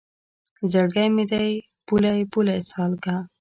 زړګی مې دی پولۍ پولۍ سالکه